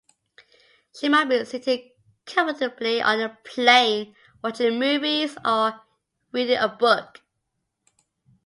She might be sitting comfortably on the plane, watching movies or reading a book.